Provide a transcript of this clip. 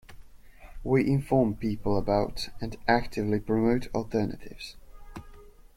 We inform people about and actively promote alternatives.